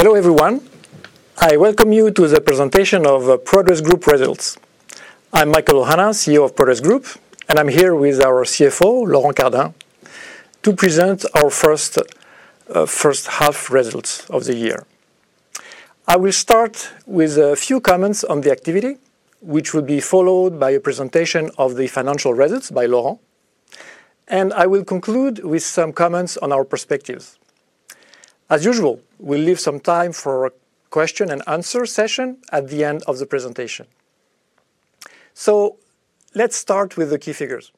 Hello, everyone. I welcome you to the presentation of Prodways Group results. I'm Michaël Ohana, CEO of Prodways Group, and I'm here with our CFO, Laurent Cardin, to present our first first half results of the year. I will start with a few comments on the activity, which will be followed by a presentation of the financial results by Laurent, and I will conclude with some comments on our perspectives. As usual, we'll leave some time for a question and answer session at the end of the presentation. So let's start with the key figures.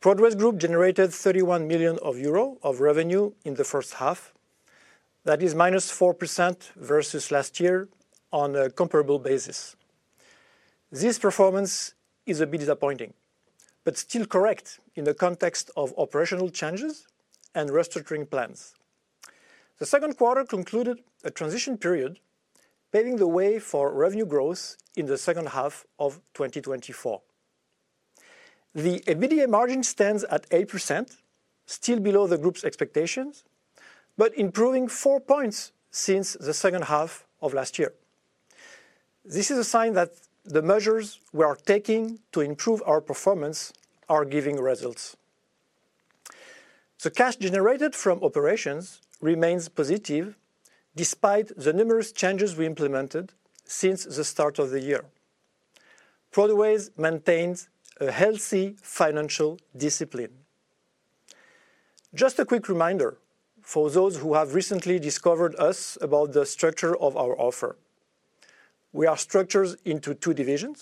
Prodways Group generated 31 million euro of revenue in the first half. That is -4% versus last year on a comparable basis. This performance is a bit disappointing, but still correct in the context of operational changes and restructuring plans. The second quarter concluded a transition period, paving the way for revenue growth in the second half of 2024. The EBITDA margin stands at 8%, still below the group's expectations, but improving four points since the second half of last year. This is a sign that the measures we are taking to improve our performance are giving results. The cash generated from operations remains positive despite the numerous changes we implemented since the start of the year. Prodways maintains a healthy financial discipline. Just a quick reminder for those who have recently discovered us about the structure of our offer. We are structured into two divisions: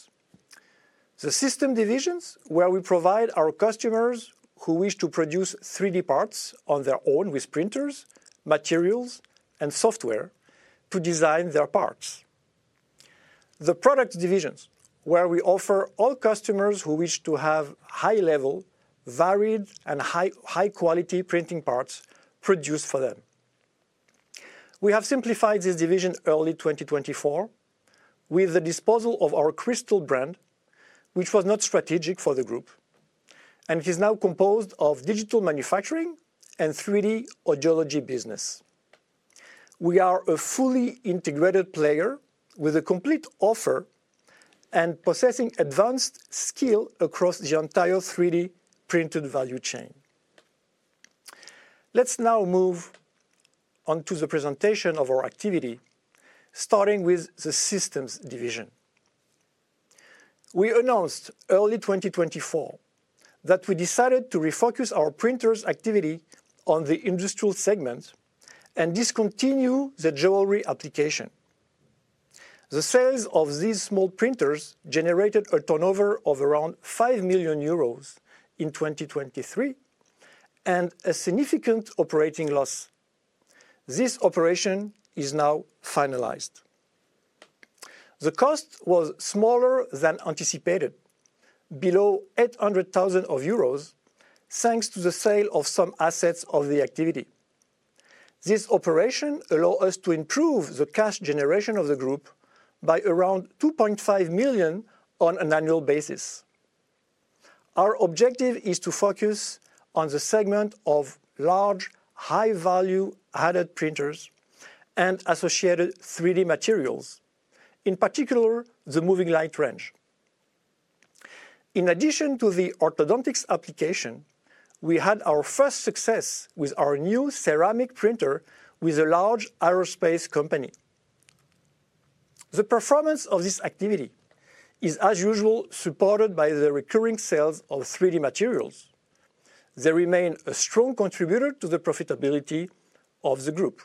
the system divisions, where we provide our customers who wish to produce 3D parts on their own with printers, materials, and software to design their parts. The product divisions, where we offer all customers who wish to have high level, varied, and high quality printing parts produced for them. We have simplified this division early 2024, with the disposal of our Cristal brand, which was not strategic for the group, and is now composed of digital manufacturing and 3D audiology business. We are a fully integrated player with a complete offer and possessing advanced skill across the entire 3D printed value chain. Let's now move on to the presentation of our activity, starting with the systems division. We announced early 2024 that we decided to refocus our printers activity on the industrial segment and discontinue the jewelry application. The sales of these small printers generated a turnover of around 5 million euros in 2023 and a significant operating loss. This operation is now finalized. The cost was smaller than anticipated, below 800,000 euros, thanks to the sale of some assets of the activity. This operation allow us to improve the cash generation of the group by around 2.5 million on an annual basis. Our objective is to focus on the segment of large, high value added printers and associated 3D materials, in particular, the MovingLight range. In addition to the orthodontics application, we had our first success with our new ceramic printer with a large aerospace company. The performance of this activity is, as usual, supported by the recurring sales of 3D materials. They remain a strong contributor to the profitability of the group.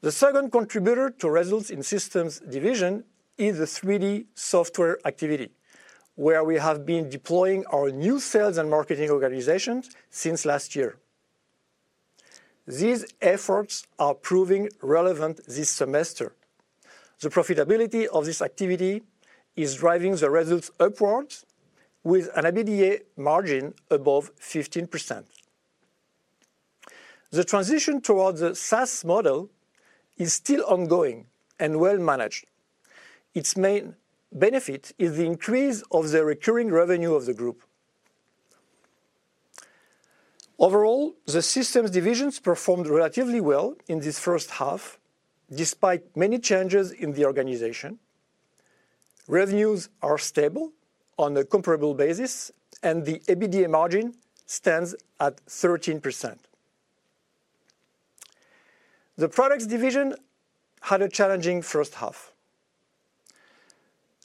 The second contributor to results in systems division is the 3D software activity, where we have been deploying our new sales and marketing organizations since last year. These efforts are proving relevant this semester. The profitability of this activity is driving the results upwards with an EBITDA margin above 15%. The transition towards the SaaS model is still ongoing and well managed. Its main benefit is the increase of the recurring revenue of the group. Overall, the systems divisions performed relatively well in this first half, despite many changes in the organization. Revenues are stable on a comparable basis, and the EBITDA margin stands at 13%. The products division had a challenging first half.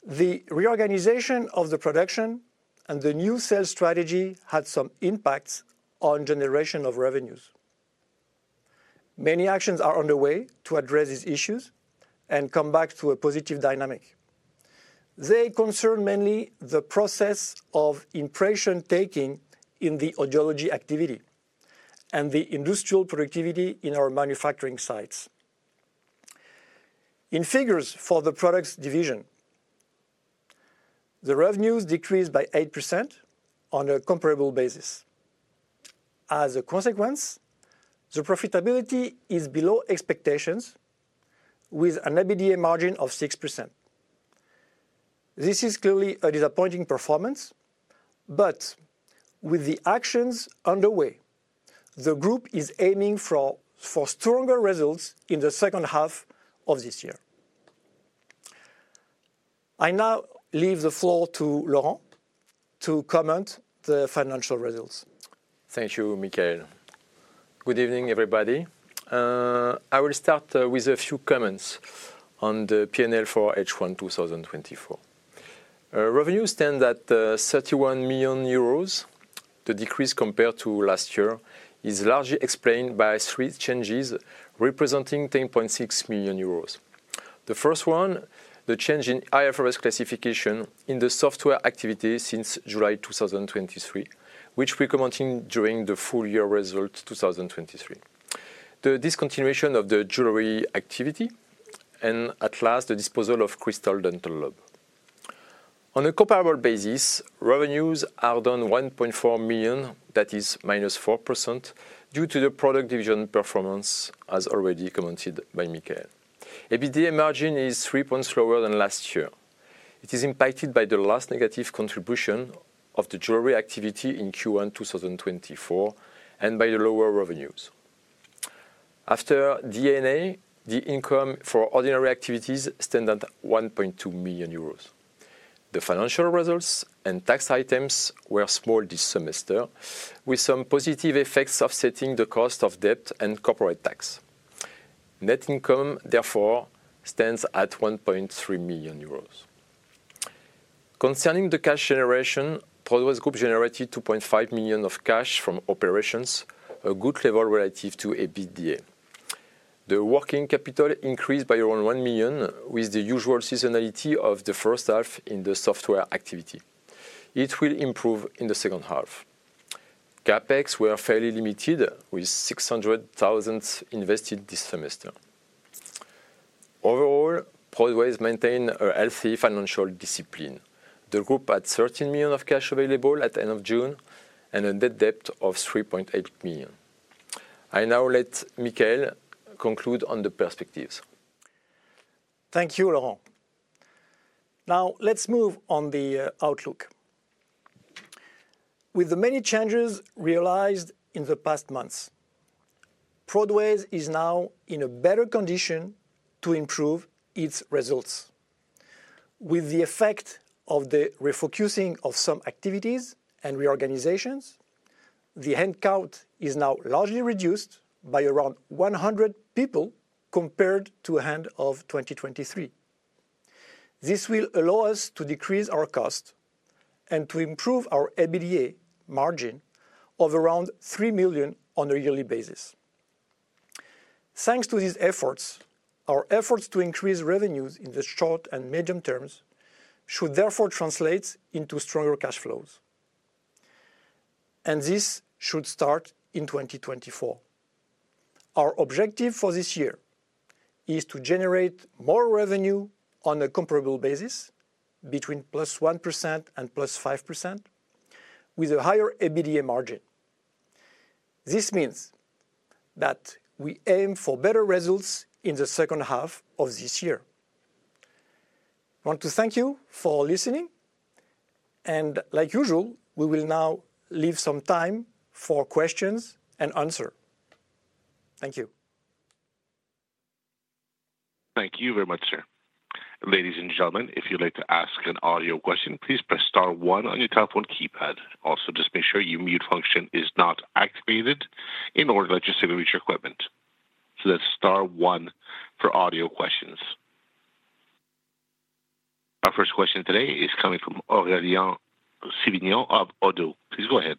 The reorganization of the production and the new sales strategy had some impacts on generation of revenues. Many actions are on the way to address these issues and come back to a positive dynamic. They concern mainly the process of impression taking in the audiology activity and the industrial productivity in our manufacturing sites. In figures for the products division, the revenues decreased by 8% on a comparable basis. As a consequence, the profitability is below expectations, with an EBITDA margin of 6%. This is clearly a disappointing performance, but with the actions underway, the group is aiming for stronger results in the second half of this year. I now leave the floor to Laurent to comment the financial results. Thank you, Michaël. Good evening, everybody. I will start with a few comments on the P&L for H1 2024. Revenue stand at 31 million euros. The decrease compared to last year is largely explained by three changes, representing 10.6 million euros. The first one, the change in IFRS classification in the software activity since July 2023, which we commented during the full year result 2023. The discontinuation of the jewelry activity, and at last, the disposal of Cristal Dental Lab. On a comparable basis, revenues are down 1.4 million, that is minus 4%, due to the product division performance, as already commented by Michaël. EBITDA margin is three points lower than last year. It is impacted by the last negative contribution of the jewelry activity in Q1 2024, and by the lower revenues. After D&A, the income for ordinary activities stand at 1.2 million euros. The financial results and tax items were small this semester, with some positive effects offsetting the cost of debt and corporate tax. Net income, therefore, stands at 1.3 million euros. Concerning the cash generation, Prodways Group generated 2.5 million of cash from operations, a good level relative to EBITDA. The working capital increased by around 1 million, with the usual seasonality of the first half in the software activity. It will improve in the second half. CapEx were fairly limited, with 600,000 invested this semester. Overall, Prodways maintain a healthy financial discipline. The group had 13 million of cash available at the end of June and a net debt of 3.8 million. I now let Michaël conclude on the perspectives. Thank you, Laurent. Now, let's move on to the outlook. With the many changes realized in the past months, Prodways is now in a better condition to improve its results. With the effect of the refocusing of some activities and reorganizations, the headcount is now largely reduced by around one hundred people compared to end of 2023. This will allow us to decrease our cost and to improve our EBITDA margin of around three million on a yearly basis. Thanks to these efforts, our efforts to increase revenues in the short and medium terms should therefore translate into stronger cash flows, and this should start in 2024. Our objective for this year is to generate more revenue on a comparable basis between +1% and +5%, with a higher EBITDA margin. This means that we aim for better results in the second half of this year. I want to thank you for listening, and like usual, we will now leave some time for questions and answers. Thank you. Thank you very much, sir. Ladies and gentlemen, if you'd like to ask an audio question, please press star one on your telephone keypad. Also, just make sure your mute function is not activated in order to just reach your equipment. So that's star one for audio questions. Our first question today is coming from Aurélien Sibileau of Oddo. Please go ahead.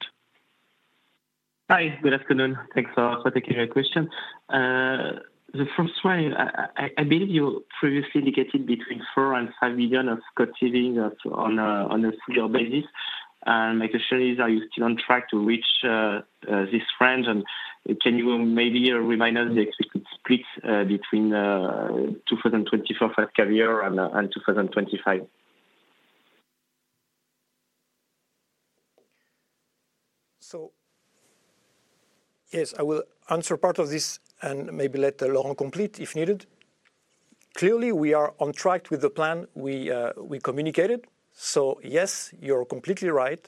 Hi, good afternoon. Thanks a lot for taking my question. The first one, I believe you previously indicated between €4 million and €5 million of cost savings on a yearly basis. And my question is: Are you still on track to reach this range? And can you maybe remind us the expected split between two thousand and twenty-four fiscal year and two thousand and twenty-five? So, yes, I will answer part of this and maybe let Laurent complete, if needed. Clearly, we are on track with the plan we communicated. So yes, you're completely right.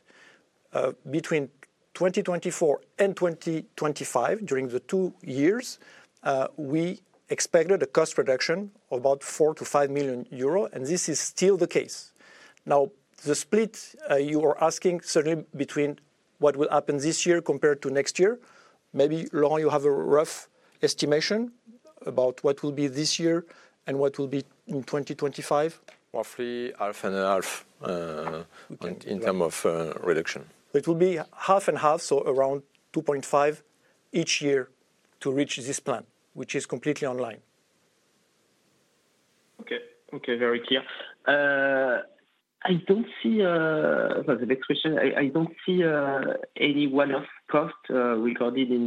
Between twenty twenty-four and twenty twenty-five, during the two years, we expected a cost reduction of about 4-5 million euros, and this is still the case. Now, the split you are asking certainly between what will happen this year compared to next year. Maybe, Laurent, you have a rough estimation about what will be this year and what will be in twenty twenty-five? Roughly half and half, in terms of reduction. It will be half and half, so around 2.5 each year to reach this plan, which is completely online. Okay. Okay, very clear. I don't see the next question. I don't see any one-off cost recorded in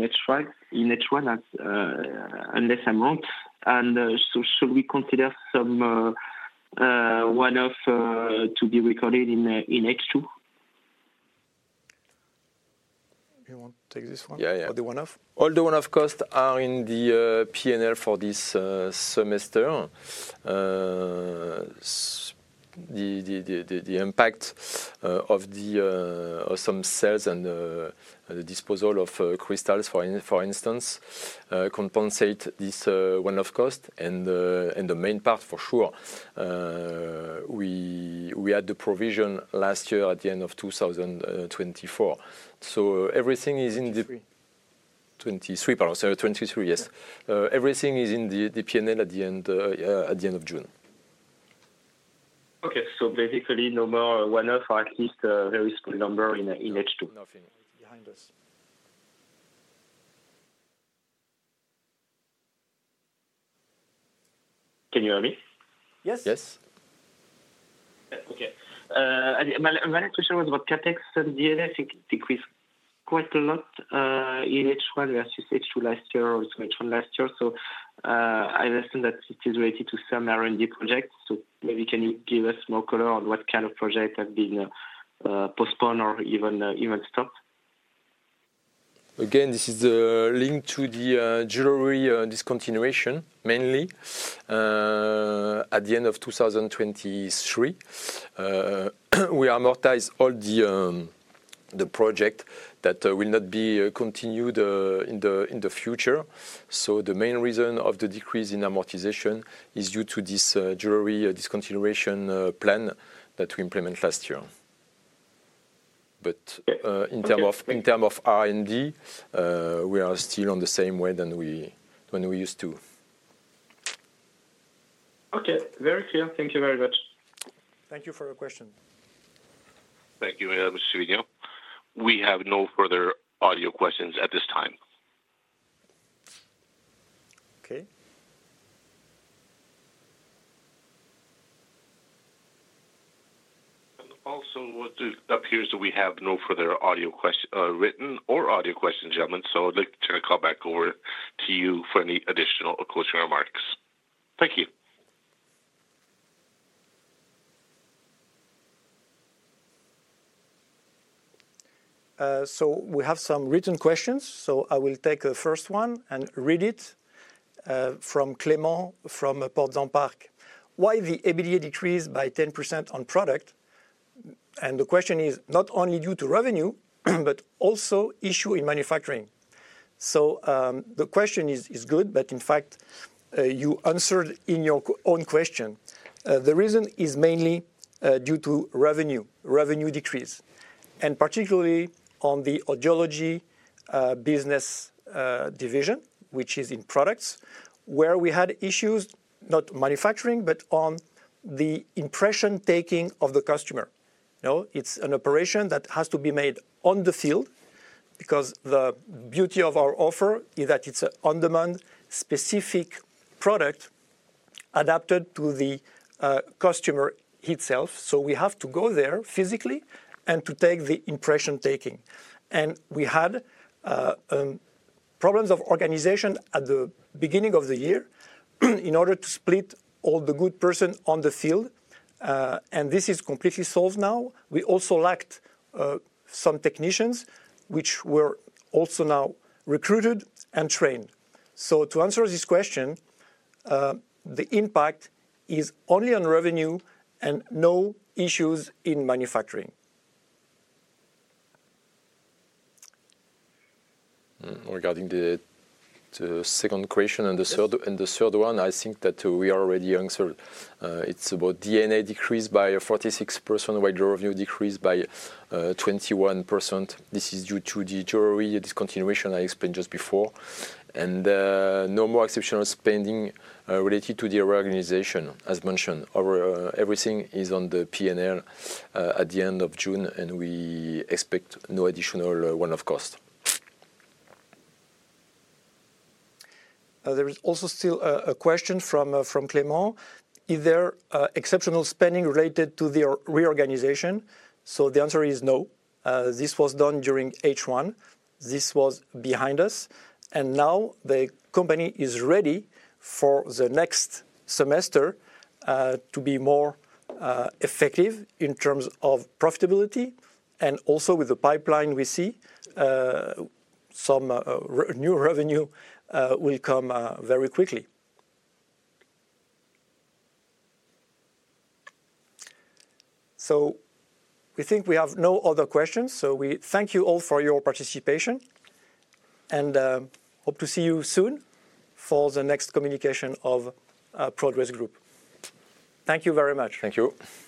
H1 at all, unless I'm wrong. And so should we consider some one-off to be recorded in H2?... Take this one? Yeah, yeah. All the one-off? All the one-off costs are in the P&L for this semester. The impact of some sales and the disposal of Cristal, for instance, compensate this one-off cost, and the main part for sure. We had the provision last year at the end of two thousand twenty-four. Everything is in the- Twenty-three. Twenty-three, pardon, so 2023, yes. Everything is in the P&L at the end of June. Okay. So basically, no more one-off, or at least, very small number in H2. Nothing behind us. Can you hear me? Yes. Yes. Okay. My question was about CapEx and D&A. I think it decreased quite a lot in H1 versus H2 last year, or H1 last year, so I understand that it is related to some R&D projects, so maybe can you give us more color on what kind of projects have been postponed or even stopped? Again, this is linked to the jewelry discontinuation, mainly. At the end of two thousand and twenty-three, we amortized all the project that will not be continued in the future. So the main reason of the decrease in amortization is due to this jewelry discontinuation plan that we implement last year. But- Okay... in terms of R&D, we are still on the same way than we when we used to. Okay, very clear. Thank you very much. Thank you for your question. Thank you, Mr. Sibi. We have no further audio questions at this time. Okay. And also, what it appears that we have no further audio question, written or audio questions, gentlemen, so I'd like to turn the call back over to you for any additional or closing remarks. Thank you. So we have some written questions, so I will take the first one and read it from Clement from Portzamparc. "Why the EBITDA decreased by 10% on product?" And the question is not only due to revenue, but also issue in manufacturing. So the question is good, but in fact, you answered in your own question. The reason is mainly due to revenue, revenue decrease, and particularly on the audiology business division, which is in products, where we had issues, not manufacturing, but on the impression taking of the customer. Now, it's an operation that has to be made on the field, because the beauty of our offer is that it's an on-demand specific product adapted to the customer itself. So we have to go there physically and to take the impression taking. And we had problems of organization at the beginning of the year, in order to split all the good person on the field, and this is completely solved now. We also lacked some technicians, which were also now recruited and trained. So to answer this question, the impact is only on revenue and no issues in manufacturing. Regarding the second question and the third- Yes... and the third one, I think that we already answered. It's about D&A decreased by 46%, while your revenue decreased by 21%. This is due to the jewelry discontinuation I explained just before. And no more exceptional spending related to the reorganization, as mentioned. Our everything is on the P&L at the end of June, and we expect no additional one-off cost. There is also still a question from Clement. Is there exceptional spending related to the reorganization, so the answer is no. This was done during H1. This was behind us, and now the company is ready for the next semester to be more effective in terms of profitability, and also with the pipeline we see, some new revenue will come very quickly, so we think we have no other questions, so we thank you all for your participation, and hope to see you soon for the next communication of Prodways Group. Thank you very much. Thank you.